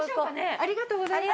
ありがとうございます。